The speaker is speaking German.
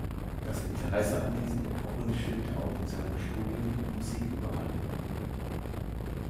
Das Interesse an diesen Epochen stimmte auch mit seinem Studium in Musik überein.